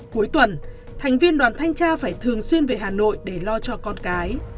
cuối tuần thành viên đoàn thanh tra phải thường xuyên về hà nội để lo cho con cái